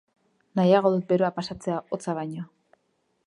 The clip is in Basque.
Nahiago dut beroa pasatzea, hotza baino.